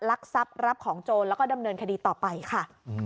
ลักทรัพย์รับของโจรแล้วก็ดำเนินคดีต่อไปค่ะ